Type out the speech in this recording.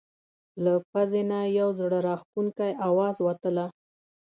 له پزې نه یو زړه راښکونکی اواز وتله.